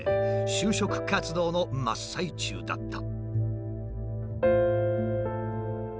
就職活動の真っ最中だった。